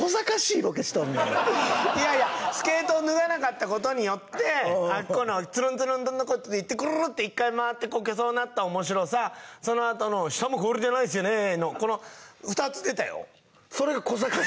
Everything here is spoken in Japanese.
いやいやスケートを脱がなかったことによってあっこのツルンツルンのとこ行ってクルルルって一回回ってこけそうになった面白さそのあとの「下も氷じゃないですよね？」のこの２つ出たよ